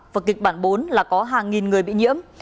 và kịch bản bốn là có hàng nghìn người bị nhiễm